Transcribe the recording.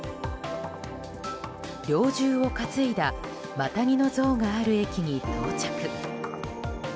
猟銃を担いだマタギの像がある駅に到着。